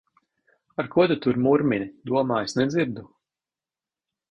Ar ko tu tur murmini? Domā, es nedzirdu!